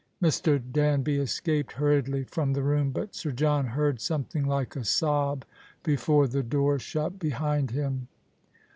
Mr. Danby escaped hurriedly from the room, but Sir John heard something like a sob before the door shut behind him.